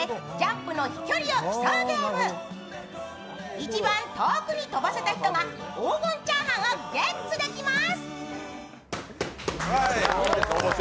一番遠くに飛ばせた人が、黄金チャーハンをゲッツできます。